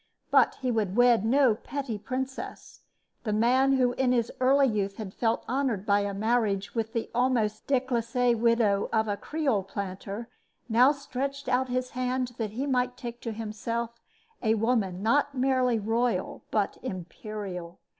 But he would wed no petty princess. This man who in his early youth had felt honored by a marriage with the almost declassee widow of a creole planter now stretched out his hand that he might take to himself a woman not merely royal but imperial.